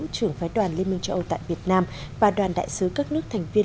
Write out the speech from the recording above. trưởng phái đoàn liên minh châu âu tại việt nam và đoàn đại sứ các nước thành viên